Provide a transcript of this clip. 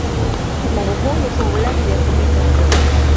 Obugunjufu bulabire ku bino